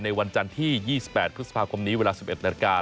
วันจันทร์ที่๒๘พฤษภาคมนี้เวลา๑๑นาฬิกา